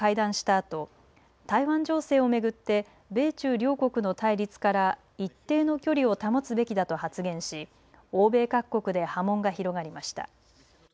あと台湾情勢を巡って米中両国の対立から一定の距離を保つべきだと発言し欧米各国で波紋が広がりました。